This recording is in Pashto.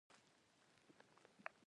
لمونځ مو اداء کړ.